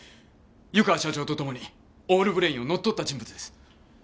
湯川社長とともにオールブレインを乗っ取った人物です。